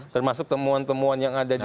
termasuk temuan temuan yang ada di